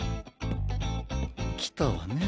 きたわね。